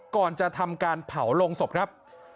ก่อนจะทำการเผาลงศพครับ